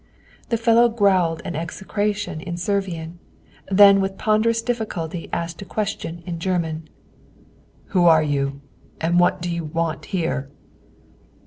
The fellow growled an execration in Servian; then with ponderous difficulty asked a question in German. "Who are you and what do you want here?"